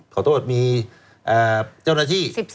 ขอโทษมีเจ้าหน้าที่